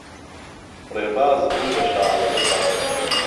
ڕێباز بوو بە شازدە ساڵ.